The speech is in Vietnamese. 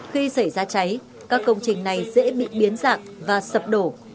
khi xảy ra cháy các công trình này dễ bị biến dạng và sập đổ